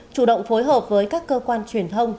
chủ động phối hợp với các cơ quan truyền thông